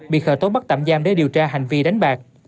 bị khởi tố bắt tạm giam để điều tra hành vi đánh bạc